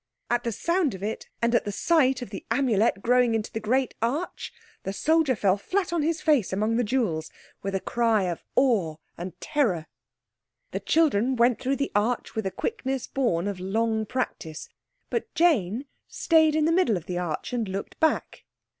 At the sound of it and at the sight of the Amulet growing into the great arch the soldier fell flat on his face among the jewels with a cry of awe and terror. The children went through the arch with a quickness born of long practice. But Jane stayed in the middle of the arch and looked back.